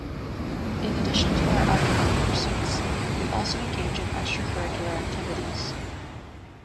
In addition to our academic pursuits, we also engage in extracurricular activities.